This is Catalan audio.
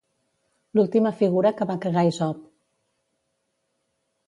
L'última figura que va cagar Isop.